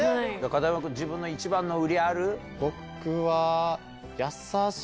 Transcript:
片山君自分の一番の売りある？